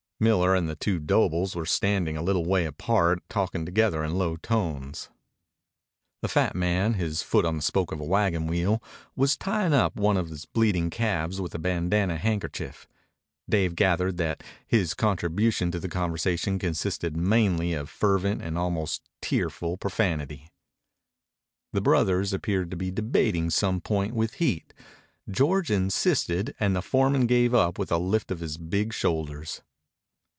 Miller and the two Dobles were standing a little way apart talking together in low tones. The fat man, his foot on the spoke of a wagon wheel, was tying up one of his bleeding calves with a bandanna handkerchief. Dave gathered that his contribution to the conversation consisted mainly of fervent and almost tearful profanity. The brothers appeared to be debating some point with heat. George insisted, and the foreman gave up with a lift of his big shoulders.